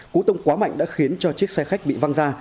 cú tông quá mạnh đã khiến cho chiếc xe khách bị văng ra